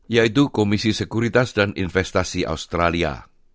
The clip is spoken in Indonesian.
yaitu komisi sekuritas dan investasi australia